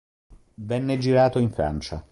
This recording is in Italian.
Venne girato in Francia.